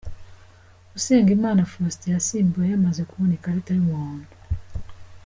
Usengimana Faustin yasimbuwe yamaze kubona ikarita y’umuhondo.